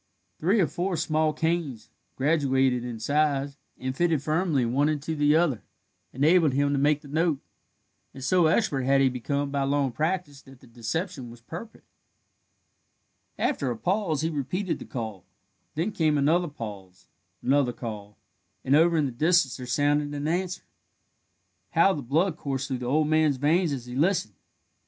Three or four small canes, graduated in size, and fitted firmly one into the other, enabled him to make the note, and so expert had he become by long practice that the deception was perfect. After a pause he repeated the call; then came another pause, another call, and over in the distance there sounded an answer. How the blood coursed through the old man's veins as he listened!